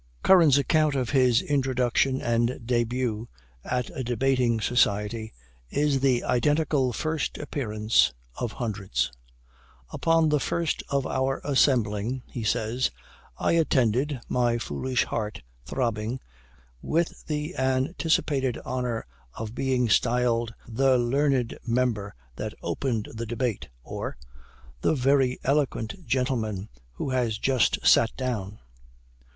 Curran's account of his introduction and debut at a debating society, is the identical "first appearance" of hundreds. "Upon the first of our assembling," he says, "I attended, my foolish heart throbbing with the anticipated honor of being styled 'the learned member that opened the debate,' or 'the very eloquent gentleman who has just sat down.'